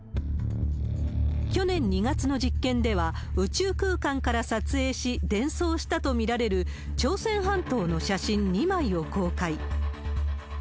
去年２月の実験では、宇宙空間から撮影し、伝送したと見られる朝鮮半島の写真２枚を公開。